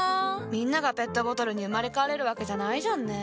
みんながペットボトルに生まれ変われるわけじゃないじゃんね。